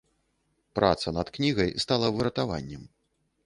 Праца над кнігай стала выратаваннем.